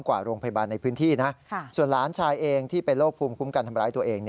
กว่าโรงพยาบาลในพื้นที่นะส่วนหลานชายเองที่เป็นโรคภูมิคุ้มกันทำร้ายตัวเอง